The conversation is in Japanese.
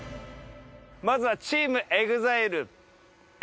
まずはチームＥＸＩＬＥ。